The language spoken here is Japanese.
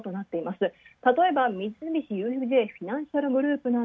たとえば、三菱ＵＦＪフィナンシャルグループ。